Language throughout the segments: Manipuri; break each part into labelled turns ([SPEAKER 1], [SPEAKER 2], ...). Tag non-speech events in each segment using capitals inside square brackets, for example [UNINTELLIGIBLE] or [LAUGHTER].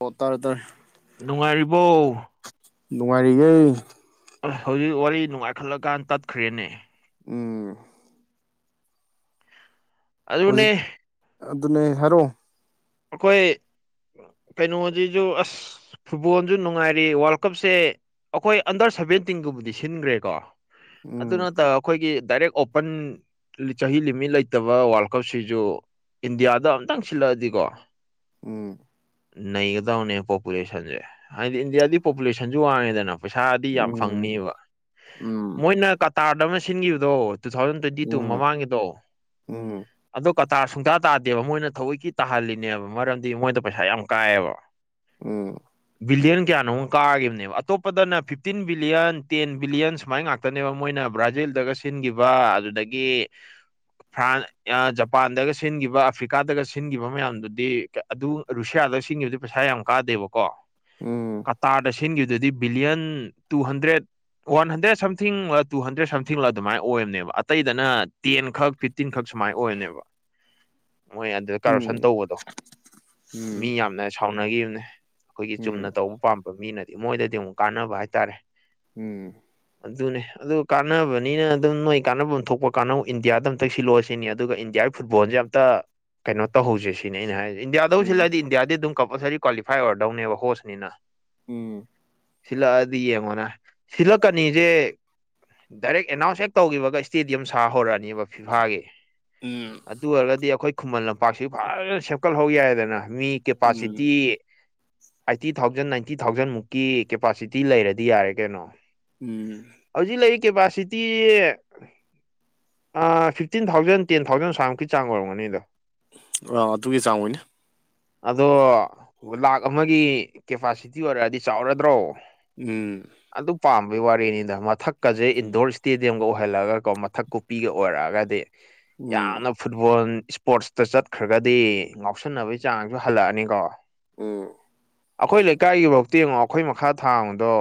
[SPEAKER 1] ꯑꯣ ꯇꯥꯔꯦ ꯇꯥꯔꯦ
[SPEAKER 2] ꯅꯨꯡꯉꯥꯏꯔꯤꯕꯣ
[SPEAKER 1] ꯅꯨꯡꯉꯥꯏꯔꯤꯌꯦ
[SPEAKER 2] ꯑꯁ ꯍꯧꯖꯤꯛ ꯋꯥꯔꯤ ꯅꯨꯡꯉꯥꯏꯈꯠꯂꯀꯥꯟ ꯇꯠꯈ꯭ꯔꯦꯅꯦ
[SPEAKER 1] ꯎꯝ
[SPEAKER 2] ꯑꯗꯨꯅꯦ
[SPEAKER 1] ꯍꯧꯖꯤꯛ ꯑꯗꯨꯅꯦ ꯍꯥꯏꯔꯛꯑꯣ
[SPEAKER 2] ꯑꯩꯈꯣꯏ ꯀꯩꯅꯣꯁꯤꯁꯨ ꯑꯁ ꯐꯨꯠꯕꯣꯜꯁꯨ ꯅꯨꯡꯉꯥꯏꯔꯤ ꯋꯥꯔꯜ ꯀꯞꯁꯦ ꯑꯩꯈꯣꯏ ꯑꯟꯗꯔ ꯁꯕꯦꯟꯇꯤꯟꯒꯨꯝꯕꯗꯤ ꯁꯤꯟꯈ꯭ꯔꯦꯀꯣ ꯑꯗꯨ
[SPEAKER 1] ꯎꯝ
[SPEAKER 2] ꯅꯠꯇ ꯑꯩꯈꯣꯏꯒꯤ ꯗꯥꯏꯔꯦꯛ ꯑꯣꯄꯟ ꯆꯍꯤ ꯂꯤꯃꯤꯠ ꯂꯩꯇꯕ ꯋꯥꯔꯜ ꯀꯞꯁꯤꯁꯨ ꯏꯟꯗꯤꯌꯥꯗ ꯑꯝꯇꯪ ꯁꯤꯜꯂꯛꯑꯗꯤꯀꯣ
[SPEAKER 1] ꯎꯝ
[SPEAKER 2] ꯅꯩꯒꯗꯕꯅꯦ ꯄꯣꯄꯨꯂꯦꯁꯟꯁꯦ ꯍꯥꯏꯗꯤ ꯏꯟꯗꯤꯌꯥꯗꯤ ꯄꯣꯄꯨꯂꯦꯁꯟꯁꯨ ꯋꯥꯡꯉꯦꯗꯅ ꯄꯩꯁꯥꯗꯤ ꯌꯥꯝ
[SPEAKER 1] ꯎꯝ
[SPEAKER 2] ꯐꯪꯅꯤꯕ ꯃꯣꯏꯅ ꯀꯇꯥꯔꯗ ꯑꯃ ꯁꯤꯟꯈꯤꯕꯗꯣ ꯇꯨ ꯊꯥꯎꯖꯟ
[SPEAKER 1] ꯎꯝ
[SPEAKER 2] ꯇ꯭ꯋꯦꯟꯇꯤ ꯇꯨ
[SPEAKER 1] ꯎꯝ
[SPEAKER 2] ꯃꯃꯥꯡꯒꯤꯗꯣ
[SPEAKER 1] ꯎꯝ
[SPEAKER 2] ꯑꯗꯣ ꯀꯇꯥꯔ ꯁꯨꯡꯇꯥ ꯇꯥꯗꯦꯕ ꯃꯣꯏꯅ ꯊꯧꯑꯣꯏꯒꯤ ꯇꯥꯍꯜꯂꯤ ꯅꯦꯕ ꯃꯔꯝꯗꯤ ꯃꯣꯏꯗ ꯄꯩꯁꯥ ꯌꯥꯝ ꯀꯥꯏꯑꯦꯕ
[SPEAKER 1] ꯎꯝ
[SPEAKER 2] ꯕꯤꯂꯤꯌꯟ ꯀꯌꯥꯅꯣꯃ ꯀꯥꯈꯤꯕꯅꯦꯕ ꯑꯇꯣꯞꯄꯗꯅ ꯐꯤꯞꯇꯤꯟ ꯕꯤꯂꯤꯌꯟ ꯇꯦꯟ ꯕꯤꯂꯤꯌꯟ ꯁꯨꯃꯥꯏꯅ ꯉꯥꯛꯇ ꯉꯛꯇꯅꯦꯕ ꯃꯣꯏꯅ ꯕ꯭ꯔꯥꯖꯤꯜꯗꯒ ꯁꯤꯟꯈꯤꯕ ꯑꯗꯨꯗꯒꯤ ꯐ꯭ꯔꯥꯟꯁ ꯑ ꯖꯄꯥꯟꯗꯒ ꯁꯤꯟꯈꯤꯕ ꯑꯐ꯭ꯔꯤꯀꯥꯗꯒ ꯁꯤꯟꯈꯤꯕ ꯃꯌꯥꯝꯗꯨ ꯗꯤ ꯑꯗꯨ ꯔꯨꯁꯤꯌꯥꯗꯒ ꯁꯤꯟꯈꯤꯕꯗꯨꯗꯤ ꯄꯩꯁꯥ ꯌꯥꯝ ꯀꯥꯗꯦꯕꯀꯣ
[SPEAKER 1] ꯎꯝ ꯎꯝ
[SPEAKER 2] ꯀꯇꯥꯔꯗ ꯇꯤꯟꯒꯤꯗꯨꯗꯤ billion two hundred one hundred ꯁꯝꯊꯤꯡꯂ ꯇꯨ ꯍꯟꯗ꯭ꯔꯦꯠ ꯁꯝꯊꯤꯡꯂ ꯑꯗꯨꯃꯥꯏꯅ ꯑꯣꯏꯕꯅꯦꯕ ꯑꯇꯩꯗꯅ ꯇꯦꯟ ꯈꯛ ꯐꯤꯞꯇꯤꯟꯈꯛ ꯁꯨꯃꯥꯏꯅ ꯑꯣꯏꯕꯅꯦꯕ
[SPEAKER 1] [INAUDIBLE]
[SPEAKER 2] ꯃꯣꯏ ꯑꯗꯨꯗ
[SPEAKER 1] ꯎꯝ
[SPEAKER 2] ꯀꯔꯞꯁꯟ
[SPEAKER 1] ꯎꯝ
[SPEAKER 2] ꯇꯧꯕꯗꯣ ꯃꯤ ꯌꯥꯝꯅ ꯁꯥꯎꯅꯈꯤꯕꯅꯦ ꯑꯩꯈꯣꯏꯒꯤ ꯆꯨꯝꯅ ꯇꯧꯕ ꯄꯥꯝꯕ ꯃꯤꯅꯗꯤ ꯃꯣꯏꯗꯗꯤ ꯑꯃꯨꯛ ꯀꯥꯟꯅꯕ ꯍꯥꯏꯇꯥꯔꯦ
[SPEAKER 1] ꯎꯝ
[SPEAKER 2] ꯑꯗꯨꯅꯦ ꯑꯗꯨ ꯀꯥꯟꯅꯕꯅꯤꯅ ꯑꯗꯨꯝ ꯅꯣꯏ ꯀꯥꯟꯅꯐꯝ ꯊꯣꯛꯄ ꯀꯥꯟꯅꯧ ꯏꯟꯗꯤꯌꯥꯗ ꯑꯝꯇꯛ ꯁꯤꯜꯂꯛꯑ‌ꯣ ꯁꯤꯅꯤ ꯑꯗꯨꯒ ꯏꯟꯗꯤꯌꯥꯒꯤ ꯐꯨꯠꯕꯣꯜꯁꯦ ꯌꯥꯝ ꯑꯝꯇ ꯀꯩꯅꯣ ꯇꯧꯍꯧꯁꯦ ꯁꯤꯅꯤ ꯅꯦ ꯑꯩꯅ ꯍꯥꯏꯁ‌ꯦ ꯏꯟꯗꯤꯌꯥꯗꯕꯨ
[SPEAKER 1] ꯎꯝ
[SPEAKER 2] ꯁꯤꯜꯂꯛꯑꯗꯤ ꯏꯟꯗꯤꯌꯥꯗꯤ ꯑꯗꯨꯝ ꯀꯝꯄꯜꯁꯔꯤ ꯀ꯭ꯋꯥꯂꯤꯐꯥꯏ ꯑꯣꯏꯔꯗꯧꯅꯦꯕ ꯍꯣꯁꯅꯤꯅ
[SPEAKER 1] ꯎꯝ
[SPEAKER 2] ꯁꯤꯜꯂꯛꯑꯗꯤ ꯌꯦꯡꯉꯣꯅ ꯁꯤꯜꯂꯛꯀꯅꯤꯁꯦ ꯗꯥꯏꯔꯦꯛ ꯑꯦꯅꯥꯎꯟꯁ ꯍꯦꯛ ꯇꯧꯈꯤꯕꯒ ꯏꯁꯇꯦꯗꯤꯌꯝ ꯁꯥ ꯍꯧꯔꯛꯑꯅꯦꯕ ꯐꯤꯐꯥꯒꯤ
[SPEAKER 1] ꯎꯝ
[SPEAKER 2] ꯑꯗꯨ ꯑꯣꯏꯔꯒꯗꯤ ꯑꯩꯈꯣꯏ ꯈꯨꯃꯟ ꯂꯝꯄꯥꯛꯁꯤ ꯐꯖꯅ ꯁꯦꯝꯀꯠꯍꯧ ꯌꯥꯔ‌ꯦꯗꯅ ꯃꯤ ꯀꯦꯄꯥꯁꯤꯇꯤ ꯑꯥꯏꯠꯇꯤ ꯊꯥꯎꯖꯟ ꯅꯥꯏꯟꯇꯤ ꯊꯥꯎꯖꯟꯃꯨꯛꯀꯤ ꯀꯦꯄꯥꯁꯤꯇꯤ ꯂꯩꯔꯗꯤ ꯌꯥꯔꯦ ꯀꯩꯅꯣ
[SPEAKER 1] ꯎꯝ
[SPEAKER 2] ꯍꯧꯖꯤꯛ ꯂꯩꯔꯤ ꯀꯦꯄꯥꯁꯤꯇꯤ ꯑꯥ ꯐꯤꯐꯇꯤꯟ ꯊꯥꯎꯖꯟ ꯇꯦꯟ ꯊꯥꯎꯖꯟ ꯁꯥꯏꯃꯨꯛꯀꯤ ꯆꯥꯡ ꯑꯣꯏꯔꯝꯒꯅꯤꯗ
[SPEAKER 1] ꯑꯥ ꯑꯗꯨꯒꯤ ꯆꯥꯡ ꯑꯣꯏꯅꯤ
[SPEAKER 2] ꯑꯗꯣ ꯂꯥꯛ ꯑꯃꯒꯤ ꯀꯦꯄꯥꯁꯤꯇꯤ ꯑꯣꯏꯔꯛꯑꯗꯤ ꯆꯥꯎꯔꯗ꯭ꯔꯣ
[SPEAKER 1] ꯎꯝ
[SPEAKER 2] ꯑꯗꯨ ꯄꯥꯝꯕꯒꯤ ꯋꯥꯔꯤꯅꯤꯗ ꯃꯊꯛꯀꯁꯦ ꯏꯟꯗꯣꯔ ꯏꯁꯇꯦꯗꯤꯌꯝꯒ ꯑꯣꯏꯍꯜꯂꯒꯀꯣ ꯃꯊꯛ ꯀꯨꯞꯄꯤꯒ ꯑꯣꯏꯔꯛꯑꯒꯗꯤ
[SPEAKER 1] ꯎꯝ
[SPEAKER 2] ꯌꯥꯝꯅ ꯐꯨꯠꯕꯣꯜ ꯏꯁꯄꯣꯔꯠꯁꯇ ꯆꯠ ꯆꯠꯈ꯭ꯔꯒꯗꯤ ꯉꯥꯎꯁꯟꯅꯕꯒꯤ ꯆꯥꯡꯁꯨ ꯍꯜꯂꯛꯑꯅꯤꯀꯣ
[SPEAKER 1] ꯎꯝ
[SPEAKER 2] ꯑꯩꯈꯣꯏ ꯂꯩꯀꯥꯏꯒꯤꯐꯧꯇ ꯌꯦꯡꯉꯣ ꯑꯩꯈꯣꯏ ꯃꯈꯥ ꯊꯥꯡꯕꯗꯣ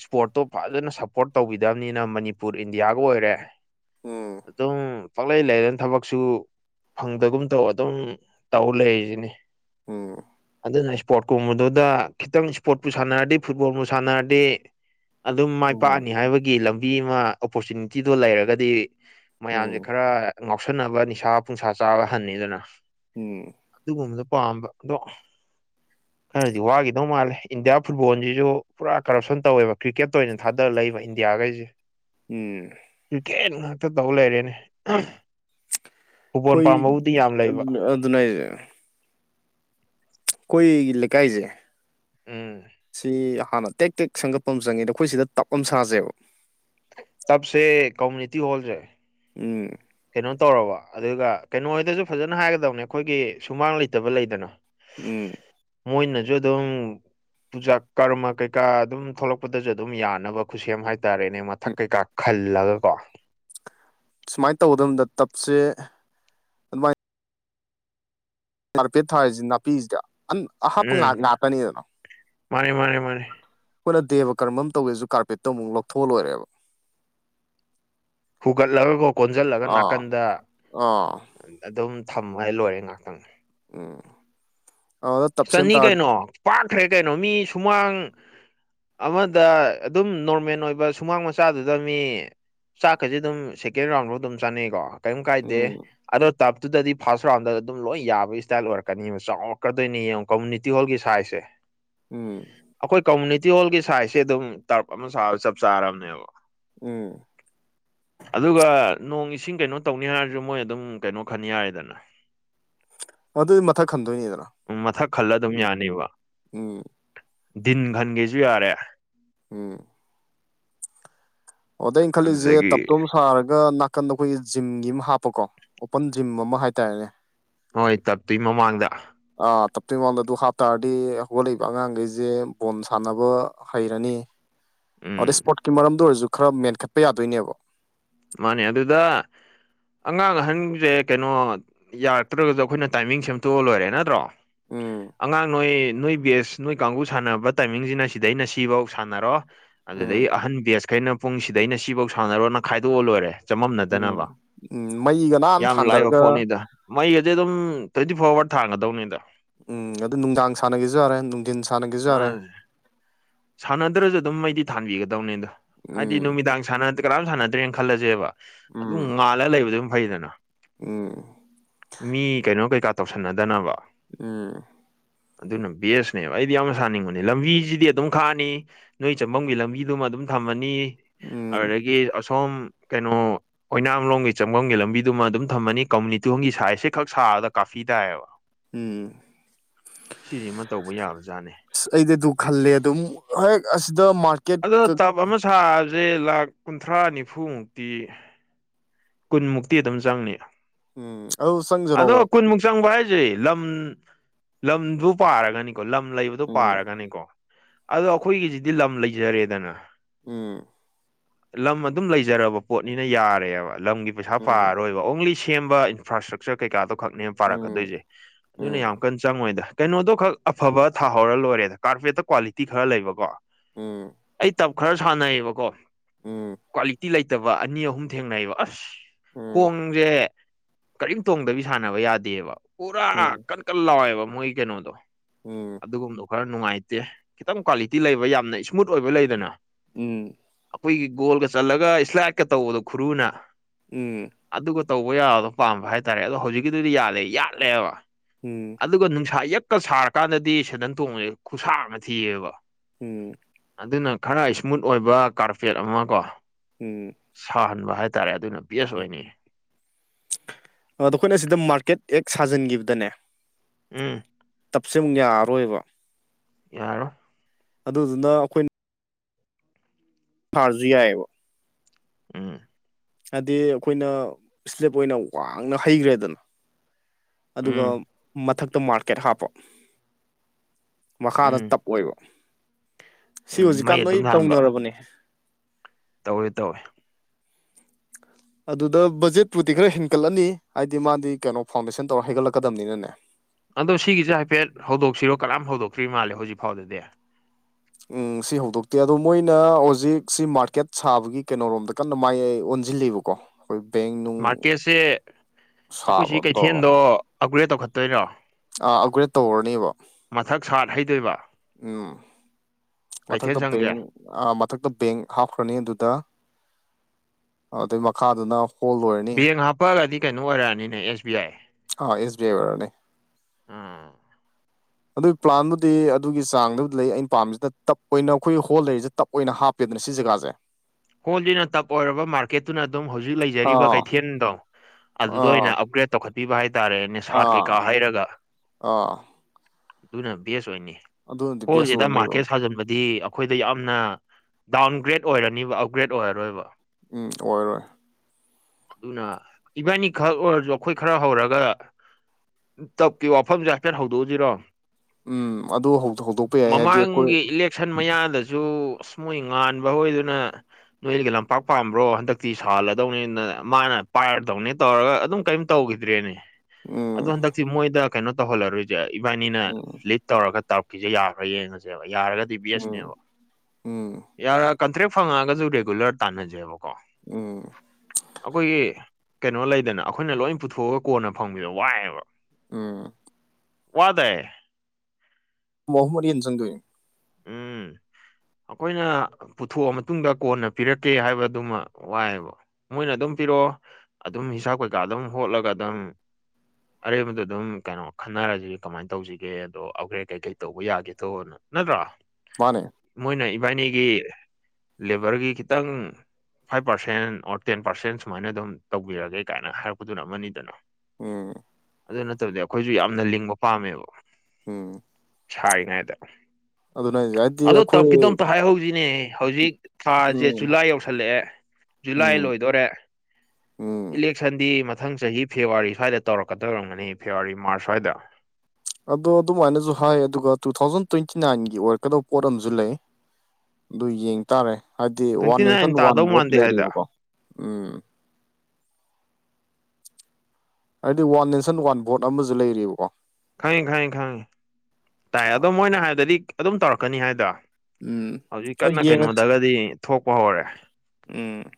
[SPEAKER 2] ꯏꯁꯄꯣꯔꯠꯇꯣ ꯐꯖꯅ ꯁꯞꯄꯣꯔꯠ ꯇꯧꯕꯤꯗꯕꯅꯤꯅ ꯃꯅꯤꯄꯨꯔ ꯏꯟꯗꯤꯌꯥꯒ ꯑꯣꯏꯔꯦ
[SPEAKER 1] ꯎꯝ
[SPEAKER 2] ꯑꯗꯨꯝ ꯄꯥꯛꯂꯩ ꯂꯩꯔꯅ ꯊꯕꯛꯁꯨ ꯐꯪꯗꯒꯨꯝ ꯇꯧ ꯑꯗꯨꯝ ꯇꯧ ꯂꯩꯁꯤꯅꯦ
[SPEAKER 1] ꯑꯣ
[SPEAKER 2] ꯑꯗꯨꯅ ꯏꯁꯄꯣꯔꯠꯀꯨꯝꯕꯗꯨꯗ ꯈꯤꯇꯪ ꯏꯁꯄꯣꯔꯠꯄꯨ ꯁꯥꯟꯅꯔꯗꯤ ꯐꯨꯠꯕꯣꯜꯕꯨꯨ ꯁꯥꯟꯅꯔꯗꯤ ꯑꯗꯨꯝ ꯃꯥꯏ
[SPEAKER 1] ꯎꯝ
[SPEAKER 2] ꯄꯥꯛꯑꯅꯤ ꯍꯥꯏꯕꯒꯤ ꯂꯝꯕꯤ ꯑꯃ ꯑꯣꯄꯣꯔꯆꯨꯅꯤꯇꯤꯗꯣ ꯂꯩꯔꯒꯗꯤ ꯃꯌꯥꯝꯁꯦ
[SPEAKER 1] ꯎꯝ ꯎꯝ
[SPEAKER 2] ꯈꯔ ꯉꯥꯎꯁꯟꯅꯕ ꯅꯤꯁꯥ ꯄꯨꯡꯁꯥ ꯆꯥꯕ ꯍꯟꯅꯤꯗꯅ
[SPEAKER 1] ꯎꯝ
[SPEAKER 2] ꯑꯗꯨꯒꯨꯝꯕꯗꯣ ꯄꯥꯝꯕꯗꯣ
[SPEAKER 1] [UNINTELLIGIBLE]
[SPEAKER 2] ꯈꯩꯅꯅꯗꯤ ꯋꯥꯈꯤꯗꯧ ꯃꯥꯜꯂꯦ ꯏꯟꯗꯤꯌꯥ ꯐꯨꯠꯕꯣꯜꯁꯤꯁꯨ ꯄꯨꯔꯥ ꯀꯔꯞꯁꯟ ꯇꯧꯋꯦꯕ ꯀ꯭ꯔꯤꯛꯀꯦꯠꯇ ꯑꯣꯏꯅ ꯊꯥꯗꯔ ꯂꯩꯕ ꯏꯟꯗꯤꯌꯥꯒꯩꯁꯤꯦ [UNINTELLIGIBLE]
[SPEAKER 1] ꯎ
[SPEAKER 2] ꯀ꯭ꯔꯤꯀꯦꯠ ꯉꯥꯛꯇ ꯇꯧꯕ ꯂꯩꯔꯦꯅꯦ ꯐꯨꯠꯕꯣꯜ
[SPEAKER 1] ꯑꯩꯈꯣꯏ
[SPEAKER 2] ꯄꯥꯝꯕꯕꯨꯗꯤ ꯌꯥꯝ ꯂꯩꯕ
[SPEAKER 1] ꯑꯗꯨꯅ ꯑꯩꯈꯣꯏꯒꯤ ꯂꯩꯀꯥꯏꯁꯦ
[SPEAKER 2] ꯎꯝ
[SPEAKER 1] ꯁꯤ ꯍꯥꯟꯅ ꯇꯦꯛ ꯇꯦꯛ ꯁꯦꯝꯒꯠꯄ ꯑꯃ ꯆꯪꯉꯦꯗ ꯑꯩꯈꯣꯏ ꯁꯤꯗ ꯇꯞ ꯑꯃ ꯁꯥꯖꯦꯕ
[SPEAKER 2] ꯇꯕꯁꯦ ꯀꯃꯨꯅꯤꯇꯤ ꯍꯜꯁ
[SPEAKER 1] ꯎꯝ
[SPEAKER 2] ꯀꯩꯅꯣ ꯇꯧꯔꯕ ꯑꯗꯨꯒ ꯀꯩꯅꯣ ꯍꯣꯏꯗꯁꯨ ꯐꯖꯅ ꯍꯥꯏꯒꯗꯕꯅꯦ ꯑꯩꯈꯣꯏꯒꯤ ꯁꯨꯃꯥꯡ ꯂꯩꯇꯕ ꯂꯩꯗꯅ
[SPEAKER 1] ꯎꯝ
[SPEAKER 2] ꯃꯣꯏꯅꯁꯨ ꯑꯗꯨꯝ ꯄꯨꯖꯥ ꯀꯔꯃ ꯀꯩꯀꯥ ꯑꯗꯨꯝ ꯊꯣꯛꯂꯛꯄꯗꯁꯨ ꯑꯗꯨꯝ ꯌꯥꯅꯕ ꯈꯨꯠꯁꯦꯝ ꯍꯥꯏꯦ ꯍꯥꯏꯇꯥꯔꯦꯅꯦ
[SPEAKER 1] ꯎꯝ
[SPEAKER 2] ꯃꯊꯛ ꯀꯩꯀꯥ ꯈꯜꯂꯒ ꯀꯣ
[SPEAKER 1] ꯁꯨꯃꯥꯏꯅ ꯇꯧꯕꯗꯕꯗ ꯇꯞꯁꯦ ꯃꯥꯔꯄꯦꯠ ꯊꯥꯔꯤꯁꯤ ꯅꯥꯄꯤꯁꯤꯗ ꯑꯍꯥꯞꯄ
[SPEAKER 2] ꯎꯝ
[SPEAKER 1] ꯉꯍꯥꯛ ꯉꯥꯛꯇꯅꯤꯗꯅ
[SPEAKER 2] ꯃꯥꯅꯦ ꯃꯥꯅꯦ ꯃꯥꯅꯦ
[SPEAKER 1] ꯑꯩꯈꯣꯏꯅ ꯗꯦꯕ ꯀꯔꯝ ꯇꯧꯗꯦꯁꯨ ꯀꯥꯔꯄꯦꯠꯇꯣ ꯑꯃꯨꯛ ꯂꯧꯊꯣꯛ ꯂꯣꯏꯔꯦꯕ
[SPEAKER 2] ꯍꯨꯒꯠꯂꯒꯒꯣ ꯀꯣꯟꯁꯤꯜꯂꯒ
[SPEAKER 1] ꯑꯥ
[SPEAKER 2] ꯅꯥꯀꯟꯗ
[SPEAKER 1] ꯑꯥ
[SPEAKER 2] ꯑꯗꯨꯝ ꯊꯝꯃꯒ ꯂꯣꯏꯔꯦ ꯉꯥꯏꯍꯥꯛꯇꯪꯅꯤ
[SPEAKER 1] ꯑꯣ
[SPEAKER 2] ꯆꯅꯤ ꯀꯩꯅꯣ ꯄꯥꯛꯈ꯭ꯔꯦ ꯀꯩꯅꯣ ꯃꯤ ꯁꯨꯃꯥꯡ ꯑꯃꯗ ꯑꯗꯨꯝ ꯅꯣꯔꯃꯦꯜ ꯑꯣꯏꯕ ꯁꯨꯃꯥꯡ ꯃꯆꯥꯗꯨꯗ ꯃꯤ ꯆꯥꯛꯀꯁꯤ ꯑꯗꯨꯝ ꯁꯦꯀꯦꯟ ꯔꯥꯎꯟꯐꯥꯎ ꯑꯗꯨꯝ ꯆꯥꯅꯩꯀꯣ ꯀꯔꯤꯝ ꯀꯥꯏꯗꯦ
[SPEAKER 1] ꯎꯝ
[SPEAKER 2] ꯑꯗꯣ ꯇꯞꯇꯨꯗꯗꯤ ꯐꯥꯔꯁ ꯔꯥꯎꯟꯗ ꯑꯗꯨꯝ ꯂꯣꯏ ꯌꯥꯕꯒꯤ ꯏꯁꯇꯥꯏꯜ ꯑꯣꯏꯔꯛꯀꯅꯤꯕ ꯆꯥꯎꯔꯛꯀ ꯅꯦ ꯌꯦꯡꯉꯣ ꯀꯝꯃꯨꯅꯤꯇꯤ ꯍꯣꯜꯒꯤ ꯁꯥꯏꯖꯁꯦ
[SPEAKER 1] ꯎꯝ
[SPEAKER 2] ꯑꯩꯈꯣꯏ ꯀꯃꯨꯅꯤꯇꯤ ꯐꯇꯤ ꯍꯣꯜꯒꯤ ꯁꯥꯏꯖꯁꯦ ꯑꯗꯨꯝ ꯇꯔꯞ ꯑꯃ ꯁꯥꯕ ꯆꯞ ꯆꯥꯔꯕꯅꯦꯕ
[SPEAKER 1] ꯎꯝ
[SPEAKER 2] ꯑꯗꯨꯒ ꯅꯣꯡ ꯏꯁꯤꯡ ꯀꯩꯅꯣ ꯇꯧꯅꯤ ꯍꯥꯏꯔꯁꯨ ꯃꯣꯏ ꯑꯗꯨꯝ ꯀꯩꯅꯣ ꯈꯟꯅꯤ ꯌꯥꯏꯗꯅ
[SPEAKER 1] ꯃ ꯑꯗꯨꯗꯤ ꯃꯊꯛ ꯈꯟꯗꯣꯏꯅꯤꯗꯅ
[SPEAKER 2] ꯎ ꯃꯊꯛ ꯈꯜꯂ ꯑꯗꯨꯝ ꯌꯥꯅꯤꯕ
[SPEAKER 1] ꯎꯝ
[SPEAKER 2] ꯗꯤꯟ ꯈꯟꯒꯦꯁꯨ ꯌꯥꯔꯦ
[SPEAKER 1] ꯎꯝ ꯑꯣꯗ ꯑꯩꯅ ꯈꯜꯂꯤꯁꯦ
[SPEAKER 2] ꯑꯗꯨꯗꯒꯤ
[SPEAKER 1] ꯇꯞꯇꯣꯞ ꯁꯥꯔꯒ ꯀꯟꯗ ꯑꯩꯈꯣꯏꯒꯤ ꯖꯤꯝꯒꯤ ꯑꯃ ꯍꯥꯞꯄꯀꯣ ꯑꯣꯄꯟ ꯖꯤꯝ ꯑꯃ ꯍꯥꯏꯇꯥꯔꯦꯅꯦ
[SPEAKER 2] ꯍꯣꯏ ꯇꯞꯇꯣꯏꯏ ꯃꯃꯥꯡꯗ
[SPEAKER 1] ꯑꯥ ꯇꯞꯇꯨ ꯃꯃꯥꯡꯗ ꯑꯗꯨ ꯍꯥꯞꯇꯥꯔꯗꯤ ꯍꯧꯒꯠꯂꯛꯏꯕ ꯑꯉꯥꯡꯈꯩꯁꯦ ꯕꯣꯜ ꯁꯥꯟꯅꯕ ꯍꯩꯔꯅꯤ ꯑꯗꯩ
[SPEAKER 2] ꯎꯝ
[SPEAKER 1] ꯁ꯭ꯄꯣꯔꯠꯀꯤ ꯃꯔꯝꯗ ꯑꯣꯏꯔꯁꯨ ꯈꯔ ꯃꯦꯟꯈꯠꯄ ꯌꯥꯗꯣꯏꯅꯦꯕ
[SPEAKER 2] ꯃꯥꯅꯦ ꯑꯗꯨꯗ ꯑꯉꯥꯡ ꯑꯍꯟꯁꯦ ꯀꯩꯅꯣ ꯌꯥꯔꯛꯇ꯭ꯔꯒꯁꯨ ꯑꯩꯈꯣꯏꯅ ꯇꯥꯏꯃꯤꯡ ꯁꯦꯝꯗꯣꯛꯑ ꯂꯣꯏꯔꯦ ꯅꯠꯇ꯭ꯔꯣ
[SPEAKER 1] ꯎꯝ
[SPEAKER 2] ꯑꯉꯥꯡ ꯅꯣꯏ ꯅꯣꯏ ꯕꯦꯁ ꯅꯣꯏ ꯀꯥꯡꯒꯨ ꯁꯥꯟꯅꯕ ꯇꯥꯏꯃꯤꯡꯁꯤꯅ ꯁꯤꯗꯩꯩꯅ ꯁꯤꯐꯧ ꯁꯥꯟꯅꯔꯣ ꯑꯗꯨꯗꯩ
[SPEAKER 1] ꯎꯝ
[SPEAKER 2] ꯑꯍꯟ ꯕꯦꯁꯈꯩꯅ ꯄꯨꯡ ꯁꯤꯗꯩꯅ ꯁꯤꯐꯧ ꯁꯥꯟꯅꯔꯣꯅ ꯈꯥꯏꯗꯣꯛꯑ ꯂꯣꯏꯔꯦ
[SPEAKER 1] ꯎꯝ
[SPEAKER 2] ꯆꯃꯝꯅꯗꯅꯕ
[SPEAKER 1] ꯎꯝ ꯃꯩꯒ ꯅꯥꯟꯅ
[SPEAKER 2] ꯌꯥꯝ ꯂꯥꯏꯕ
[SPEAKER 1] ꯊꯥꯟꯊꯔꯒ
[SPEAKER 2] ꯄꯣꯠꯅꯤꯗ ꯃꯩꯒꯁꯦ ꯑꯗꯨꯝ ꯇ꯭ꯋꯦꯟꯇꯤ ꯐꯣꯔ ꯑꯋꯥꯔ ꯊꯥꯡꯒꯗꯧꯅꯤꯗ
[SPEAKER 1] ꯎꯝ ꯑꯗꯨ ꯅꯨꯡꯗꯥꯡ ꯁꯥꯟꯅꯒꯦꯁꯨ ꯌꯥꯔꯦ ꯅꯨꯡꯊꯤꯟ ꯁꯥꯟꯅꯒꯦꯁꯨ ꯌꯥꯔꯦ
[SPEAKER 2] ꯁꯥꯟꯅꯗ꯭ꯔꯁꯨ ꯑꯗꯨꯝ ꯃꯩꯗꯤ ꯊꯥꯟꯕꯤꯒꯗꯧꯅꯤ ꯑꯗꯣ ꯍꯥꯏꯗꯤ
[SPEAKER 1] ꯎꯝ
[SPEAKER 2] ꯅꯨꯃꯤꯗꯥꯡꯅ ꯀꯅꯥꯝ ꯁꯥꯟꯅꯗ꯭ꯔꯦꯅ ꯈꯜꯂꯁꯦꯕ ꯑꯗꯨꯝ
[SPEAKER 1] ꯎꯝ
[SPEAKER 2] ꯉꯥꯜꯂꯒ ꯂꯩꯕꯗꯨ ꯑꯗꯨꯝ ꯐꯩꯗꯅ
[SPEAKER 1] ꯎꯝ
[SPEAKER 2] ꯃꯤ ꯀꯩꯅꯣ ꯀꯩꯀꯥ ꯇꯧꯁꯟꯅꯗꯅꯕ
[SPEAKER 1] ꯎꯝ
[SPEAKER 2] ꯑꯗꯨꯅ ꯕꯦꯁꯅꯦꯕ ꯑꯩꯗꯤ ꯌꯥꯝ ꯁꯥꯅꯤꯡꯕꯅꯦ ꯂꯝꯕꯤꯁꯤꯗꯤ ꯑꯗꯨꯝ ꯈꯥꯛꯑꯅꯤ ꯅꯣꯏ ꯆꯪꯐꯝꯒꯤ ꯂꯝꯕꯤꯗꯨꯃ ꯑꯗꯨꯝ ꯊꯝꯃꯅꯤ
[SPEAKER 1] ꯎꯝ
[SPEAKER 2] ꯑꯗꯨꯗꯒꯤ ꯑꯁꯣꯝ ꯀꯩꯅꯣ ꯑꯣꯏꯅꯥꯝꯂꯣꯝꯒꯤ ꯆꯪꯐꯝꯝꯒꯤ ꯂꯝꯕꯤꯗꯨꯃ ꯑꯗꯨꯝ ꯊꯝꯃꯅꯤ ꯀꯝꯃꯨꯅꯤꯇꯤ ꯍꯣꯝꯒꯤ ꯁꯥꯏꯠꯁꯦ ꯈꯛ ꯁꯥꯔꯒ ꯀꯥꯐꯤ ꯇꯥꯏꯌꯦꯕ
[SPEAKER 1] ꯎꯝ
[SPEAKER 2] ꯁꯤꯁꯤꯃ ꯇꯧꯕ ꯌꯥꯕꯖꯥꯠꯅꯦ
[SPEAKER 1] ꯁ ꯑꯩꯗꯤ ꯑꯗꯨ ꯈꯜꯂꯦ ꯑꯗꯨꯝ ꯍꯦꯛ ꯑꯁꯤꯗ ꯃꯥꯔꯀꯦꯠ
[SPEAKER 2] ꯑꯗꯨꯅ ꯇꯞ ꯑꯃ ꯁꯥꯕꯁꯦ ꯂꯥꯛ ꯀꯨꯟꯊ꯭ꯔꯥ ꯅꯤꯐꯨꯃꯨꯛꯇꯤ ꯀꯨꯟꯃꯨꯛꯇꯤ ꯑꯗꯨꯝ ꯆꯪꯅꯤ
[SPEAKER 1] ꯎꯝ ꯑꯗꯨ ꯆꯪꯖ ꯅꯣꯕꯣ
[SPEAKER 2] ꯑꯗꯣ ꯀꯨꯟꯃꯨꯛ ꯆꯪꯕ ꯍꯥꯏꯁꯦ ꯂꯝ ꯂꯝꯗꯨ ꯄꯥꯔꯒꯅꯤꯀꯣ ꯂꯝ ꯂꯩꯕꯗꯨ
[SPEAKER 1] ꯎꯝ
[SPEAKER 2] ꯄꯥꯔꯒꯅꯤꯀꯣ ꯑꯗꯣ ꯑꯩꯈꯣꯏꯒꯤꯁꯤꯗꯤ ꯂꯝ ꯂꯩꯖꯔꯦꯗꯅ
[SPEAKER 1] ꯎꯝ
[SPEAKER 2] ꯂꯝ ꯑꯗꯨꯝ ꯂꯩꯖꯔꯕ ꯄꯣꯠꯅꯤꯅ ꯌꯥꯔꯦꯕ ꯂꯝꯒꯤ ꯄꯩꯁꯥ
[SPEAKER 1] ꯎꯝ
[SPEAKER 2] ꯄꯥꯔꯔꯣꯏ ꯕ ꯑꯣꯡꯂꯤ ꯁꯦꯝꯕ ꯏꯟꯐ꯭ꯔ꯭ꯇ꯭ꯔꯛꯆꯔ ꯀꯩꯀꯥꯗꯣ ꯈꯛꯅꯦ
[SPEAKER 1] ꯎꯝ
[SPEAKER 2] ꯄꯥꯔꯛꯀꯗꯣꯏꯁꯦ ꯑꯗꯨꯅ
[SPEAKER 1] ꯎꯝ
[SPEAKER 2] ꯌꯥꯝ ꯀꯟꯅ ꯆꯪꯉꯣꯏꯗ ꯀꯩꯅꯣꯗꯣ ꯈꯛ ꯑꯐꯕ ꯊꯥꯍꯧꯔ ꯂꯣꯏꯔꯦꯗ ꯀꯥꯔꯄꯦꯠꯇ ꯀ꯭ꯋꯥꯂꯤꯇꯤ ꯈꯔ ꯂꯩꯕꯀꯣ
[SPEAKER 1] ꯎꯝ
[SPEAKER 2] ꯑꯩ ꯇꯞ ꯈꯔ ꯁꯥꯟꯅꯩꯌꯦꯕꯀꯣ
[SPEAKER 1] ꯎꯝ
[SPEAKER 2] ꯀ꯭ꯋꯥꯂꯤꯇꯤ ꯂꯩꯇꯕ ꯑꯅꯤ ꯑꯍꯨꯝ ꯊꯦꯡꯅꯩꯌꯦꯕ ꯑꯁ
[SPEAKER 1] ꯎꯝ
[SPEAKER 2] ꯈꯣꯡꯁꯦ ꯀꯔꯤꯝꯇꯣꯡꯗꯕꯤ ꯁꯥꯟꯅꯕ ꯌꯥꯗꯦꯕ
[SPEAKER 1] ꯎꯝ
[SPEAKER 2] ꯄꯨꯔꯥ ꯀꯟ ꯀꯟ ꯂꯥꯎꯋꯦꯕ ꯃꯣꯏꯒꯤ ꯀꯩꯅꯣꯗꯣ
[SPEAKER 1] ꯎꯝ ꯎꯝ
[SPEAKER 2] ꯑꯗꯨꯒꯨꯝꯕꯗꯣ ꯈꯔ ꯅꯨꯡꯉꯥꯏꯇꯦ ꯈꯤꯇꯪ ꯀ꯭ꯋꯥꯂꯤꯇꯤ ꯂꯩꯕ ꯌꯥꯝꯅ ꯏꯁꯃꯨꯠ ꯑꯣꯏꯕ ꯂꯩꯗꯅ
[SPEAKER 1] ꯎꯝ
[SPEAKER 2] ꯑꯩꯈꯣꯏꯒꯤ ꯒꯣꯜꯒ ꯆꯠꯂꯒ ꯏꯁꯂꯥꯏꯠꯀ ꯇꯧꯕꯗꯣ ꯈꯨꯔꯨꯅ
[SPEAKER 1] ꯎꯝ
[SPEAKER 2] ꯑꯗꯨꯒ ꯇꯧꯕ ꯌꯥꯕꯗꯣ ꯄꯥꯝꯕ ꯍꯥꯏꯇꯥꯔꯦ ꯑꯗꯣ ꯍꯧꯖꯤꯛꯀꯤꯗꯨꯗꯤ ꯌꯥꯗꯦ ꯌꯥꯠꯂꯦꯕ
[SPEAKER 1] ꯎꯝ
[SPEAKER 2] ꯑꯗꯨꯒ ꯅꯨꯡꯁꯥ ꯌꯛꯀ ꯁꯥꯔꯀꯥꯟꯗꯗꯤ ꯁꯦꯟꯗꯟ ꯊꯣꯡꯕꯁꯦ ꯈꯨꯁꯥ ꯑꯃ ꯊꯤꯌꯦꯕ
[SPEAKER 1] ꯎꯝ
[SPEAKER 2] ꯑꯗꯨꯅ ꯈꯔ ꯏꯁꯃꯨꯠ ꯑꯣꯏꯕ ꯀꯥꯔꯄꯦꯠ ꯑꯃ ꯀꯣ
[SPEAKER 1] ꯎꯝ
[SPEAKER 2] ꯁꯥꯍꯟꯕ ꯍꯥꯏꯇꯥꯔꯦ ꯑꯗꯨꯅ ꯕꯦꯁ ꯑꯣꯏꯅꯤ
[SPEAKER 1] ꯑꯗꯣ ꯑꯩꯈꯣꯏꯅ ꯁꯤꯗ ꯃꯥꯔꯀꯦꯠ ꯍꯦꯛ ꯁꯥꯖꯟꯈꯤꯕꯗꯅꯦ
[SPEAKER 2] ꯎꯝ
[SPEAKER 1] ꯇꯞꯁꯦ ꯑꯃꯨꯛ ꯌꯥꯔꯔꯣꯏꯕ
[SPEAKER 2] ꯌꯥꯔꯔꯣꯏ
[SPEAKER 1] ꯑꯗꯨꯗꯨꯅ ꯑꯩꯈꯣꯏꯅ ꯐꯥꯔꯖꯨ ꯌꯥꯌꯦꯕ
[SPEAKER 2] ꯑ
[SPEAKER 1] ꯍꯥꯏꯗꯤ ꯑꯩꯈꯣꯏꯅ ꯏꯁꯂꯦꯞ ꯑꯣꯏꯅ ꯋꯥꯡꯅ ꯍꯩꯈ꯭ꯔꯦꯗꯅ ꯑꯗꯨꯒ
[SPEAKER 2] ꯎꯝ
[SPEAKER 1] ꯃꯊꯛꯇ ꯃꯥꯔꯀꯦꯠ ꯍꯥꯞꯄ ꯃꯈꯥꯗ
[SPEAKER 2] ꯎꯝ
[SPEAKER 1] ꯇꯞ ꯑꯣꯏꯕ ꯁꯤ
[SPEAKER 2] ꯎꯝ
[SPEAKER 1] ꯍꯧꯖꯤꯛꯀꯥꯟ
[SPEAKER 2] ꯃꯩ
[SPEAKER 1] ꯅꯣꯏ
[SPEAKER 2] ꯑꯗꯨꯝ
[SPEAKER 1] ꯇꯧꯅꯔꯕꯅꯦ
[SPEAKER 2] ꯇꯧꯏ ꯇꯧꯏ
[SPEAKER 1] ꯑꯗꯨꯗ ꯕꯖꯦꯠꯄꯨꯗꯤ ꯈꯔ ꯍꯦꯟꯀꯠꯂꯅꯤ ꯍꯥꯏꯗꯤ ꯃꯥꯗꯤ ꯀꯩꯅꯣ ꯐꯥꯎꯟꯗꯦꯁꯟ ꯇꯧꯔ ꯍꯩꯒꯠꯂꯛꯀꯗꯕꯅꯤꯅꯅꯦ
[SPEAKER 2] ꯑꯗꯣ ꯁꯤꯒꯤꯁꯦ ꯍꯥꯏꯐꯦꯠ ꯍꯧꯗꯣꯛꯁꯤꯔꯣ ꯀꯔꯝ ꯍꯧꯗꯣꯛꯇ꯭ꯔꯤ ꯃꯥꯜꯂꯦ ꯍꯧꯖꯤꯛꯐꯥꯎꯗꯗꯤ
[SPEAKER 1] ꯎꯝ ꯁꯤ ꯍꯧꯗꯣꯛꯇꯦ ꯑꯗꯣ ꯃꯣꯏꯅ ꯍꯧꯖꯤꯛ ꯁꯤ ꯃꯥꯔꯀꯦꯠ ꯁꯥꯕꯒꯤ ꯀꯩꯅꯣꯔꯣꯝꯗ ꯀꯟꯅ ꯃꯥꯏ ꯑꯣꯟ ꯖꯤꯜꯂꯤꯕꯨꯀꯣ ꯑꯩꯣꯏ ꯦꯡꯅ [UNINTELLIGIBLE]
[SPEAKER 2] ꯃꯥꯔꯀꯦꯠꯁꯦ ꯑꯩꯈꯣꯏ ꯁꯤ
[SPEAKER 1] ꯇꯧꯔꯒ
[SPEAKER 2] ꯀꯩꯊꯦꯜꯗꯣ ꯑꯞꯒ꯭ꯔꯦꯗ ꯇꯧꯈꯠꯇꯣꯏꯔꯣ
[SPEAKER 1] ꯑꯞꯒ꯭ꯔꯦꯗ ꯇꯧꯔꯅꯦꯕ
[SPEAKER 2] ꯃꯊꯛ ꯁꯥꯠ ꯍꯩꯗꯣꯏꯕ
[SPEAKER 1] ꯎꯝ
[SPEAKER 2] ꯀꯩꯊꯦꯜ
[SPEAKER 1] ꯃꯊꯗ ꯄ
[SPEAKER 2] ꯁꯪꯁꯦ
[SPEAKER 1] ꯃꯊꯛꯇ ꯕꯦꯡ ꯍꯥꯞꯈ꯭ꯔꯅꯤ ꯑꯗꯨꯗ ꯑꯗꯨꯏ ꯃꯈꯥꯗꯨꯅ ꯍꯣꯜ ꯑꯣꯏꯔꯅꯤ
[SPEAKER 2] ꯕꯦꯡ ꯍꯥꯞꯄꯛꯂꯗꯤ ꯀꯩꯅꯣ ꯑꯣꯏꯔꯛꯑꯅꯤꯅꯦ ꯑꯦꯁ ꯕꯤ ꯑꯥꯏ
[SPEAKER 1] ꯑꯥ ꯑꯦꯁ ꯕꯤ ꯑꯥꯏ ꯋꯥꯔꯅꯦ
[SPEAKER 2] ꯎꯝ
[SPEAKER 1] ꯑꯗꯨꯒꯤ ꯄ꯭ꯂꯥꯟꯗꯨꯗꯤ ꯑꯗꯨꯒꯤ ꯆꯥꯡꯗꯨꯕꯨꯗꯤ ꯂꯩ ꯑꯩꯅ ꯄꯥꯝꯃꯤꯁꯤꯗ ꯇꯞ ꯑꯣꯏꯅ ꯑꯩꯈꯣꯏ ꯍꯣꯜ ꯂꯩꯔꯤꯁꯦ ꯇꯞ ꯑꯣꯏꯅ ꯍꯥꯞꯄꯦꯗꯅ ꯁꯤ ꯖꯒꯥꯁꯦ
[SPEAKER 2] ꯍꯣꯂꯤꯅ ꯇꯞ ꯑꯣꯏꯔꯕ ꯃꯥꯔꯀꯦꯠꯇꯨꯅ ꯑꯗꯨꯝ ꯍꯧꯖꯤꯛ ꯂꯩꯖꯔꯤꯕ
[SPEAKER 1] ꯑꯥ
[SPEAKER 2] ꯀꯩꯊꯦꯜꯗꯣ ꯑꯗꯨꯗ
[SPEAKER 1] ꯑꯥ
[SPEAKER 2] ꯑꯣꯏꯅ ꯑꯞꯒ꯭ꯔꯦꯗ ꯇꯧꯈꯠꯄꯤꯕ ꯍꯥꯏꯇꯥꯔꯦꯅꯦ ꯁꯥꯠ
[SPEAKER 1] ꯑꯥ
[SPEAKER 2] ꯀꯩꯀꯥ ꯍꯩꯔꯒ
[SPEAKER 1] ꯑꯥ
[SPEAKER 2] ꯑꯗꯨꯅ ꯕꯦꯁ ꯑꯣꯏꯅꯤ
[SPEAKER 1] ꯑꯗꯨꯅꯗꯤ ꯕꯦꯁ
[SPEAKER 2] ꯍꯣꯜꯁꯤꯗ
[SPEAKER 1] ꯑꯣꯏꯅꯤꯕ
[SPEAKER 2] ꯃꯥꯔꯀꯦꯠ ꯁꯥꯖꯤꯟꯕꯗꯤ ꯑꯩꯈꯣꯏꯗ ꯌꯥꯝꯅ ꯗꯥꯎꯟꯒ꯭ꯔꯦꯗ ꯑꯣꯏꯔꯅꯤꯕ ꯑꯞꯒ꯭ꯔꯦꯗ ꯑꯣꯏꯔꯔꯣꯏꯕ
[SPEAKER 1] ꯎꯝ ꯑꯣꯏꯔꯣꯏ
[SPEAKER 2] ꯑꯗꯨꯅ ꯏꯕꯥꯅꯤ ꯈꯛ ꯑꯣꯏꯔꯁꯨ ꯑꯩꯈꯣꯏ ꯈꯔ ꯍꯧꯔꯒ ꯇꯞꯀꯤ ꯋꯥꯐꯝꯁꯦ ꯍꯥꯏꯐꯦꯠ ꯍꯧꯗꯣꯛꯎꯁꯤꯔꯣ
[SPEAKER 1] ꯎꯝ ꯑꯗꯨ ꯍꯧꯗꯣꯛꯄ ꯌꯥꯏ ꯍꯥꯏꯗꯤ ꯑꯩꯈꯣꯏ
[SPEAKER 2] ꯑꯦꯛꯁꯟ ꯃꯌꯥꯗꯁꯨ ꯑꯁ ꯃꯣꯏ ꯉꯥꯟꯕ ꯍꯣꯏꯗꯨꯅ ꯅꯣꯏꯗꯒꯤ ꯂꯝꯄꯥꯛ ꯄꯥꯝꯕ꯭ꯔꯣ ꯍꯟꯗꯛꯇꯤ ꯁꯥꯍꯜꯂꯗꯧꯅꯤꯅ ꯃꯥꯅ ꯄꯥꯏꯔꯗꯧꯅꯦ ꯇꯧꯔꯒ ꯑꯗꯨꯝ ꯀꯔꯤ ꯇꯧꯈꯤꯗ꯭ꯔꯦꯅꯦ
[SPEAKER 1] ꯎꯝ
[SPEAKER 2] ꯑꯗꯣ ꯍꯟꯗꯛꯁꯤ ꯃꯣꯏꯗ ꯀꯩꯅꯣ ꯇꯧꯍꯜꯂꯔꯣꯏꯁꯦ ꯏꯕꯥꯅꯤꯅ
[SPEAKER 1] ꯎꯝ
[SPEAKER 2] ꯇꯧꯔꯒ ꯇꯥꯔꯛꯀꯤꯁꯦ ꯌꯥꯈ꯭ꯔꯥ ꯌꯦꯡꯉꯁꯦꯕ ꯌꯥꯔꯒꯗꯤ
[SPEAKER 1] ꯎꯝ
[SPEAKER 2] ꯕꯁꯅꯦꯕ
[SPEAKER 1] ꯎꯝ ꯎꯝ
[SPEAKER 2] ꯌꯥꯔ ꯀꯟꯇ꯭ꯔꯦꯛ ꯐꯪꯉꯛꯑꯒꯁꯨ ꯔꯦꯒꯨꯂꯔ ꯇꯥꯟꯅꯖꯩꯑꯕꯀꯣ
[SPEAKER 1] ꯎꯝ
[SPEAKER 2] ꯑꯩꯈꯣꯏꯒꯤ ꯀꯩꯅꯣ ꯂꯩꯗꯅ ꯑꯩꯈꯣꯏꯅ ꯂꯣꯏ ꯄꯨꯊꯣꯛꯑꯒ ꯀꯣꯟꯅ ꯐꯪꯕꯗ ꯋꯥꯏꯑꯦꯕ
[SPEAKER 1] ꯎ
[SPEAKER 2] ꯋꯥꯗ
[SPEAKER 1] ꯃꯣꯍꯃꯨꯗ ꯏꯟꯖꯟꯗꯨꯣꯏꯏ
[SPEAKER 2] ꯎꯝ
[SPEAKER 1] [UNINTELLIGIBLE]
[SPEAKER 2] ꯑꯩꯈꯣꯏꯅ ꯄꯨꯊꯣꯛꯑ ꯃꯇꯨꯡꯗ ꯀꯣꯟꯅ ꯄꯤꯔꯛꯀꯦ ꯍꯥꯏꯕꯗꯨꯃ ꯋꯥꯏꯑꯕ ꯃꯣꯏꯅ ꯑꯗꯨꯝ ꯄꯤꯔꯛꯑꯣ ꯑꯗꯨꯝ ꯍꯤꯡꯤꯁꯥ ꯀꯩꯀꯥ ꯑꯗꯨꯝ ꯍꯣꯠꯂꯒ ꯑꯗꯨꯝ ꯑꯔꯦꯝꯕꯗꯨ ꯑꯗꯨꯝ ꯀꯩꯅꯣ ꯈꯟꯅꯔꯁꯤꯒꯦ ꯀꯃꯥꯏꯅ ꯇꯧꯁꯤꯒꯦ ꯑꯗꯣ ꯑꯞꯒ꯭ꯔꯦ ꯀꯩꯀꯩ ꯇꯧꯕ ꯌꯥꯒꯦ ꯇꯣꯅ ꯅꯠꯇꯠꯇ꯭ꯔꯣ
[SPEAKER 1] ꯃꯥꯅꯦ
[SPEAKER 2] ꯃꯣꯏꯅ ꯏꯕꯥꯅꯤꯒꯤ ꯂꯦꯕꯔꯒꯤ ꯈꯤꯇꯪ five percent or ten percent ꯁꯨꯃꯥꯏꯅ ꯑꯗꯨꯝ ꯇꯧꯕꯤꯔꯒꯦ ꯀꯥꯏꯅ ꯍꯥꯏꯔꯛꯄꯗꯨꯅ ꯑꯃꯅꯤꯗꯅ
[SPEAKER 1] ꯎꯝ
[SPEAKER 2] ꯑꯗꯨ ꯅꯠꯇꯕꯗꯤ ꯑꯩꯈꯣꯏꯁꯨ ꯌꯥꯝꯅ ꯂꯤꯡꯕ ꯄꯥꯝꯃꯦꯕ
[SPEAKER 1] ꯎꯝ
[SPEAKER 2] ꯁꯥꯔꯤꯉꯩꯗ
[SPEAKER 1] ꯑꯗꯨꯅ ꯍꯥꯏꯁꯦ ꯍꯥꯏꯗꯤ
[SPEAKER 2] ꯑꯗꯣ
[SPEAKER 1] ꯑꯩꯈꯣꯏ
[SPEAKER 2] ꯈꯤꯇꯣꯝꯇ ꯍꯥꯏꯍꯧꯁꯤꯅꯦ ꯍꯧꯖꯤꯛ ꯊꯥꯁꯦ
[SPEAKER 1] ꯎꯝ
[SPEAKER 2] ꯖꯨꯂꯥꯏ ꯌꯧꯁꯜꯂꯛꯑꯦ ꯖꯨꯂꯥꯏ
[SPEAKER 1] ꯎꯝ
[SPEAKER 2] ꯂꯣꯏꯗꯣꯔꯦ
[SPEAKER 1] ꯎꯝ
[SPEAKER 2] ꯏꯂꯦꯛꯁꯟꯗꯤ ꯃꯊꯪ ꯆꯍꯤ ꯐꯦꯕꯋꯥꯔꯤ ꯁ꯭ꯋꯥꯏꯗ ꯇꯧꯔꯛꯀꯗꯧꯔꯝꯒꯅꯤ ꯐꯦꯕꯋꯥꯔꯤ ꯃꯥꯔꯁ ꯁ꯭ꯋꯥꯏꯗ
[SPEAKER 1] ꯑꯗꯣ ꯑꯗꯨꯃꯥꯏꯅꯁꯨ ꯍꯥꯏ ꯑꯗꯨꯒ ꯇꯨ ꯊꯥꯎꯖꯟ ꯇ꯭ꯋꯦꯟꯇꯤ ꯅꯥꯏꯟꯒꯤ ꯑꯣꯏꯔꯛꯀꯗꯕ ꯄꯣꯠ ꯑꯃꯁꯨ ꯂꯩ ꯑꯗꯨ ꯌꯦꯡꯇꯥꯔꯦ ꯍꯥꯏꯕꯗꯤ one
[SPEAKER 2] twenty nine
[SPEAKER 1] nation one
[SPEAKER 2] ꯇꯥꯗꯧ
[SPEAKER 1] ꯚꯣꯠ
[SPEAKER 2] ꯃꯥꯟꯗꯦ ꯍꯥꯏꯗ
[SPEAKER 1] ꯂꯩꯔꯤꯕꯀꯣ ꯎꯝ ꯍꯥꯏꯗꯤ ꯋꯥꯟ ꯅꯦꯁꯟ ꯋꯥꯟ ꯚꯣꯠ ꯑꯃꯖꯨ ꯂꯩꯔꯤꯕꯀꯣ
[SPEAKER 2] ꯈꯪꯉꯦ ꯈꯪꯉꯦ ꯈꯪꯉꯦ ꯇꯥꯏ ꯑꯗꯣ ꯃꯣꯏꯅ ꯍꯥꯏꯕꯗꯗꯤ ꯑꯗꯨꯝ ꯇꯧꯔꯛꯀꯅꯤ ꯍꯥꯏꯗꯔꯣ
[SPEAKER 1] ꯎꯝ
[SPEAKER 2] ꯍꯧꯖꯤꯛ
[SPEAKER 1] ꯍꯣꯏ
[SPEAKER 2] ꯀꯟꯅ
[SPEAKER 1] ꯌꯦꯡꯉꯁꯤ
[SPEAKER 2] ꯀꯩꯅꯣꯗꯒꯗꯤ ꯊꯣꯛꯄ ꯍꯧꯔꯦ
[SPEAKER 1] ꯎꯝ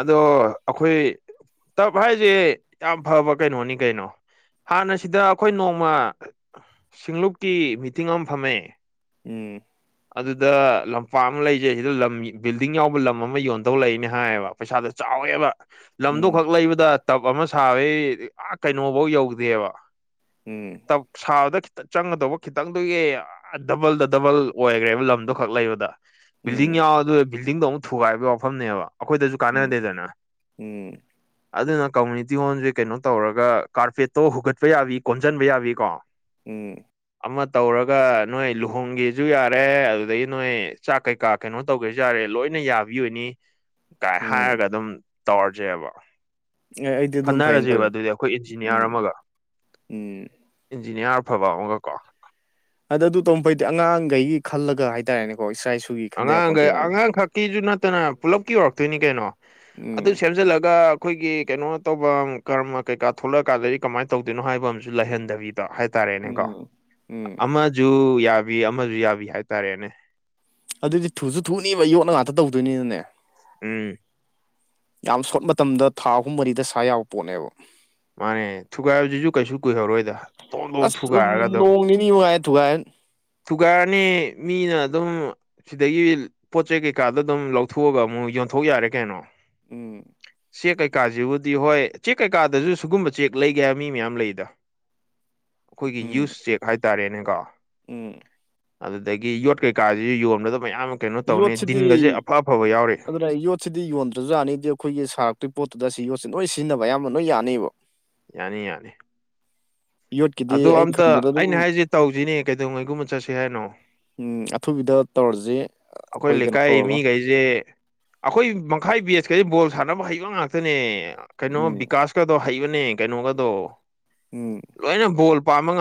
[SPEAKER 2] ꯑꯗꯣ ꯑꯈꯣꯏ ꯇꯞ ꯍꯥꯏꯖꯦ ꯌꯥꯝ ꯐꯕ ꯀꯩꯅꯣꯅꯤ ꯀꯩꯅꯣ ꯍꯥꯟꯅꯁꯤꯗ ꯑꯈꯣꯏ ꯅꯣꯡꯃ ꯁꯤꯡꯂꯨꯞꯀꯤ ꯃꯤꯇꯤꯡ ꯑꯝ ꯐꯝꯃꯦ
[SPEAKER 1] ꯎꯝ
[SPEAKER 2] ꯑꯗꯨꯗ ꯂꯝꯄꯥꯛ ꯑꯃ ꯂꯩꯖꯩ ꯁꯤꯗ ꯂꯝ ꯕꯤꯜꯗꯤꯡ ꯌꯥꯎꯕ ꯂꯝ ꯑꯃ ꯌꯣꯟꯗꯧ ꯂꯩꯏꯅꯦ ꯍꯥꯏꯌꯦꯕ ꯄꯩꯁꯥꯗꯣ ꯆꯥꯎꯋꯦꯕ ꯂꯝꯗꯣ
[SPEAKER 1] ꯎꯝ
[SPEAKER 2] ꯈꯛ ꯂꯩꯕꯗ ꯇꯞ ꯑꯃ ꯁꯥꯕꯒꯤ ꯑ ꯀꯩꯅꯣꯐꯧ ꯌꯧꯗꯦꯕ
[SPEAKER 1] ꯎꯝ
[SPEAKER 2] ꯇꯞ ꯁꯥꯕꯗ ꯈꯤꯇ ꯆꯪꯒꯗꯧꯕ ꯈꯤꯇꯪꯗꯨꯒꯤ ꯑ ꯗꯕꯜ ꯗ ꯗꯕꯜ ꯑꯣꯏꯒ꯭ꯔꯦꯕ ꯂꯝꯗꯣ ꯈꯛ ꯂꯩꯕꯗ ꯕꯤꯜꯗꯤꯡ
[SPEAKER 1] ꯎꯝ
[SPEAKER 2] ꯌꯥꯎ ꯑꯗꯨ ꯕꯤꯜꯗꯤꯡꯗꯣ ꯑꯃꯨꯛ ꯊꯨꯒꯥꯏꯕꯩ ꯋꯥꯐꯝꯅꯦꯕ ꯑꯈꯣꯏꯗꯖꯨ ꯀꯥꯟꯅꯗꯦꯗꯅ
[SPEAKER 1] ꯎꯝ ꯎꯝ
[SPEAKER 2] ꯑꯗꯨꯅ ꯀꯝꯃꯨꯅꯤꯇꯤ ꯍꯣꯜꯖꯦ ꯀꯩꯅꯣ ꯇꯧꯔꯒ ꯀꯥꯔꯄꯦꯠꯇꯣ ꯍꯨꯒꯠꯄ ꯌꯥꯕꯤ ꯀꯣꯟꯖꯤꯟꯕ ꯌꯥꯕꯤ ꯀꯣ
[SPEAKER 1] ꯎꯝ
[SPEAKER 2] ꯑꯃ ꯇꯧꯔꯒ ꯅꯣꯏ ꯂꯨꯍꯣꯡꯒꯦ ꯖꯨ ꯌꯥꯔꯦ ꯑꯗꯨꯗꯒꯤ ꯅꯣꯏ ꯆꯥꯛ ꯀꯩꯀꯥ ꯀꯩꯅꯣ ꯇꯧꯒꯦꯖꯨ ꯌꯥꯔꯦ ꯂꯣꯏꯅ ꯌꯥꯕꯤ ꯑꯣꯏꯅꯤ ꯀꯥꯏ
[SPEAKER 1] ꯎꯝ
[SPEAKER 2] ꯍꯥꯏꯔꯒ ꯑꯗꯨꯝ ꯇꯧꯔꯖꯦꯕ
[SPEAKER 1] ꯑꯦ ꯑꯩꯗꯤ ꯑꯗꯨꯝ ꯐꯩꯅ
[SPEAKER 2] ꯈꯟꯅꯔꯖꯦꯕ
[SPEAKER 1] ꯈꯜꯂꯦ
[SPEAKER 2] ꯑꯗꯨꯗꯤ ꯑꯩꯈꯣꯏ ꯏꯟꯖꯤꯅꯤꯌꯥꯔ
[SPEAKER 1] ꯎꯝ
[SPEAKER 2] ꯑꯃꯒ
[SPEAKER 1] ꯎꯝ
[SPEAKER 2] ꯏꯟꯖꯤꯅꯤꯌꯥꯔ ꯑꯐꯕ ꯑꯃꯒꯀꯣ
[SPEAKER 1] ꯑꯗ ꯑꯗꯨ ꯇꯧ ꯐꯩꯗꯤ ꯑꯉꯥꯡꯒꯩꯒꯤ ꯈꯜꯂꯒ ꯍꯥꯏꯇꯥꯔꯦꯅꯦꯀꯣ ꯏꯁꯥ ꯏꯁꯨ
[SPEAKER 2] ꯑꯉꯥꯡꯒꯩ ꯑꯉꯥꯡꯈꯛꯀꯤꯖꯨ ꯅꯠꯇꯅ ꯄꯨꯂꯞꯀꯤ ꯑꯣꯏꯔꯛꯇꯣꯏꯅꯤ ꯀꯩꯅꯣ
[SPEAKER 1] ꯎꯝ
[SPEAKER 2] ꯑꯗꯨ ꯁꯦꯝꯖꯤꯜꯂꯒ ꯑꯩꯈꯣꯏꯒꯤ ꯀꯩꯅꯣ ꯇꯧꯕ ꯀꯔꯃ ꯀꯩꯀꯥ ꯊꯣꯛꯂꯛꯑꯀꯥꯟꯗꯗꯒꯤ ꯀꯃꯥꯏꯅ ꯇꯧꯗꯣꯏꯅꯣ ꯍꯥꯏꯕ ꯑꯃꯁꯨ ꯂꯩꯍꯟꯗꯕꯤꯗ ꯇꯣ ꯍꯥꯏꯇꯥꯔꯦꯅꯦꯀꯣ
[SPEAKER 1] ꯎꯝ ꯎꯝ
[SPEAKER 2] ꯑꯃꯖꯨ ꯌꯥꯕꯤ ꯑꯃꯖꯨ ꯌꯥꯕꯤ ꯍꯥꯏꯇꯥꯔꯦꯅꯦ
[SPEAKER 1] ꯑꯗꯨꯗꯤ ꯊꯨꯖꯨ ꯊꯨꯅꯤꯕ ꯌꯣꯠꯅ ꯉꯥꯛꯇ ꯇꯧꯗꯣꯏꯅꯤꯅꯅꯦ
[SPEAKER 2] ꯎꯝ
[SPEAKER 1] ꯌꯥꯝ ꯁꯣꯔꯠ ꯃꯇꯝꯗ ꯊꯥ ꯑꯍꯨꯝ ꯃꯔꯤꯗ ꯁꯥ ꯌꯥꯕ ꯄꯣꯠꯅꯦꯕ
[SPEAKER 2] ꯃꯥꯅꯦ ꯊꯨꯒꯥꯏꯕꯖꯤꯖꯨ ꯀꯩꯁꯨ ꯀꯨꯏꯍꯧꯔꯣꯏꯗ ꯇꯣꯟ ꯇꯣꯡ
[SPEAKER 1] ꯑꯁ
[SPEAKER 2] ꯊꯨꯒꯥꯏꯔꯒ ꯑꯗꯨꯝ
[SPEAKER 1] [UNINTELLIGIBLE] ꯊꯨꯒꯥꯏꯔꯅꯤ
[SPEAKER 2] ꯊꯨꯒꯥꯏꯔꯅꯤ ꯃꯤꯅ ꯑꯗꯨꯝ ꯁꯤꯗꯒꯤ ꯄꯣꯠꯆꯩ ꯀꯩꯀꯥꯗꯣ ꯑꯗꯨꯝ ꯂꯧꯊꯣꯛꯑꯒ ꯑꯃꯨꯛ ꯌꯣꯟꯊꯣꯛ ꯌꯥꯔꯦ ꯀꯩꯅꯣ
[SPEAKER 1] ꯎꯝ
[SPEAKER 2] ꯆꯦꯛ ꯀꯩꯀꯥꯖꯤꯕꯨꯗꯤ ꯍꯣꯏ ꯆꯦꯛ ꯀꯩꯀꯥꯗꯖꯨ ꯁꯨꯒꯨꯝꯕ ꯆꯦꯛ ꯂꯩꯒꯦ ꯍꯥꯏꯕ ꯃꯤ ꯃꯌꯥꯝ ꯂꯩꯗ ꯑꯩꯈꯣꯏꯒꯤ
[SPEAKER 1] ꯎꯝ
[SPEAKER 2] ꯌꯨꯁ ꯆꯦꯛ ꯍꯥꯏꯇꯥꯔꯦꯅꯦꯀꯣ
[SPEAKER 1] ꯎꯝ
[SPEAKER 2] ꯑꯗꯨꯗꯒꯤ ꯌꯣꯠ ꯀꯩꯀꯥꯖꯤꯗꯤ ꯌꯣꯟꯕꯗ ꯃꯌꯥꯝ ꯑꯃ ꯀꯩꯅꯣ ꯇꯧꯅꯤ ꯗꯤꯟꯒꯁꯦ ꯑꯐ ꯑꯐꯕ ꯌꯥꯎꯔꯤ
[SPEAKER 1] ꯁꯤꯗꯤ ꯌꯣꯟꯗ꯭ꯔꯖꯨ ꯌꯥꯅꯤꯗꯤ ꯑꯩꯈꯣꯏꯒꯤ ꯁꯥꯔꯛꯇꯣꯏ ꯄꯣꯠꯇꯨꯗ ꯑꯁꯤ ꯌꯣꯠꯁꯦ ꯂꯣꯏ ꯁꯤꯖꯤꯟꯅꯕ ꯑꯌꯥꯝꯕ ꯂꯣꯏ ꯌꯥꯅꯤꯕ
[SPEAKER 2] ꯌꯥꯅꯤ ꯌꯥꯅꯤ
[SPEAKER 1] ꯌꯣꯠꯀꯤꯗꯤ
[SPEAKER 2] ꯑꯗꯣ
[SPEAKER 1] ꯑꯩꯅ
[SPEAKER 2] ꯑꯝꯇ
[SPEAKER 1] ꯈꯟꯕꯗ
[SPEAKER 2] ꯑꯩꯅ
[SPEAKER 1] ꯑꯗꯨꯝ
[SPEAKER 2] ꯍꯥꯏꯖꯦ ꯇꯧꯖꯤꯅꯦ ꯀꯩꯗꯧꯉꯩꯒꯨꯝꯕ ꯆꯠꯁꯤ ꯍꯥꯏꯅꯣ
[SPEAKER 1] ꯎꯝ ꯑꯊꯨꯕꯤꯗ ꯇꯧꯔꯖꯤ
[SPEAKER 2] ꯑꯈꯣꯏ ꯂꯩꯀꯥꯏ ꯃꯤꯒꯩꯖꯤ ꯖꯦ ꯑꯩꯈꯣꯏ ꯃꯈꯥꯏ ꯕꯦꯁꯀꯩꯖꯦ ꯕꯣꯜ ꯁꯥꯟꯅꯕ ꯍꯩꯕ ꯉꯥꯛꯇꯅꯦ ꯀꯩꯅꯣ
[SPEAKER 1] ꯎꯝ
[SPEAKER 2] ꯕꯤꯀꯥꯁ ꯀꯗꯣ ꯍꯩꯕꯅꯦ ꯀꯩꯅꯣꯒꯗꯣ
[SPEAKER 1] ꯎꯝ
[SPEAKER 2] ꯂꯣꯏꯅ ꯕꯣꯜ ꯄꯥꯝꯕ ꯉꯥꯛ